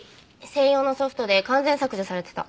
専用のソフトで完全削除されてた。